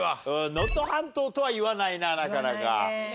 「能登半島」とは言わないななかなか。